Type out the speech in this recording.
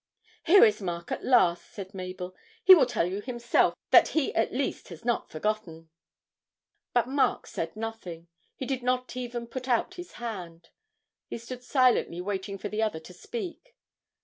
'Here is Mark, at last,' said Mabel. 'He will tell you himself that he at least has not forgotten.' But Mark said nothing; he did not even put out his hand. He stood silently waiting for the other to speak.